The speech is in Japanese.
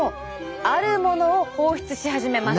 あるものを放出し始めます。